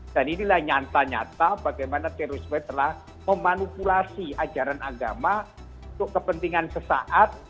dan inilah nyata nyata bagaimana terorisme telah memanipulasi ajaran agama untuk kepentingan sesaat